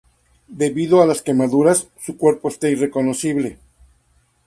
Debido a las quemaduras, su cuerpo está irreconocible.